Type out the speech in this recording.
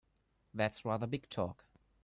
That's rather big talk!